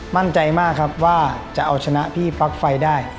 มั่นใจมากครับว่าจะเอาชนะพี่ปลั๊กไฟได้